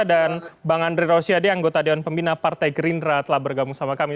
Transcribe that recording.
dan bang andre rosyadeh anggota dewan pembina partai green rad telah bergabung sama kami